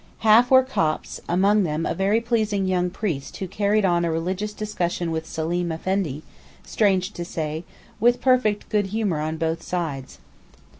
Half were Copts, among them a very pleasing young priest who carried on a religious discussion with Seleem Effendi, strange to say, with perfect good humour on both sides.